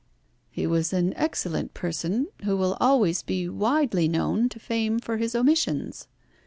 "He was an excellent person, who will always be widely known to fame for his omissions.